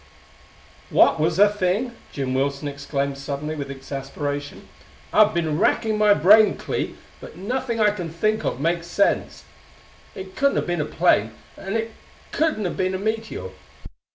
"What was the thing?" Jim Wilson exclaimed suddenly with exasperation. "I've been racking my brain, Clee, but nothing I can think of makes sense. It couldn't have been a plane, and it couldn't have been a meteor.